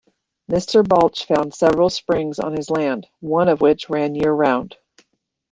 Mr. Balch found several springs on his land, one of which ran year-round.